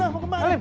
mau ke mak lim